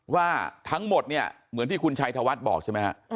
ว่าทั้งหมดเนี่ยเหมือนที่คุณชัยธวัฒน์บอกใช่ไหมฮะ